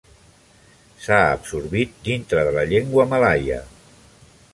S'ha absorbit dintre de la llengua malaia.